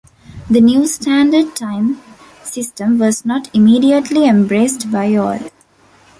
The new standard time system was not immediately embraced by all.